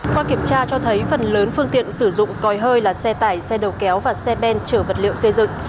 qua kiểm tra cho thấy phần lớn phương tiện sử dụng còi hơi là xe tải xe đầu kéo và xe ben chở vật liệu xây dựng